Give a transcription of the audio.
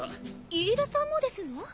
飯田さんもですの？